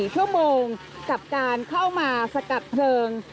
๔ชั่วโมงกับการเข้ามาสกัดเพลิง